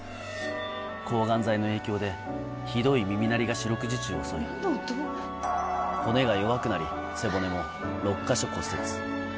抗がん剤の影響で、ひどい耳鳴りが四六時中襲い、骨が弱くなり、背骨も６か所骨折。